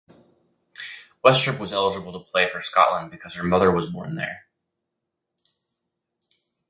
Westrup was eligible to play for Scotland because her mother was born there.